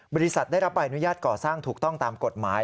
บริษัทได้รับใบอนุญาตก่อสร้างถูกต้องตามกฎหมาย